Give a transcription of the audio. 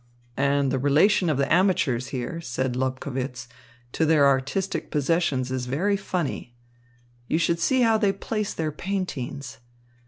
"And the relation of the amateurs here," said Lobkowitz, "to their artistic possessions is very funny. You should see how they place their paintings.